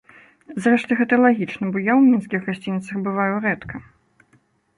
Зрэшты, гэта лагічна, бо я ў мінскіх гасцініцах бываю рэдка.